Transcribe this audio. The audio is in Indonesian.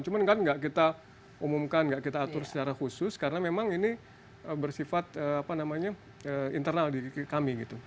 cuman kan nggak kita umumkan nggak kita atur secara khusus karena memang ini bersifat internal di kami gitu